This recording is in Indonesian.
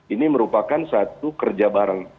ini merupakan satu kerja bareng